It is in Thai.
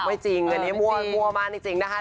ไม่จริงอันนี้มั่วมากจริงนะคะ